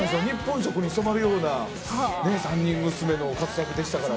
日本色に染まるような３人娘の活躍でした。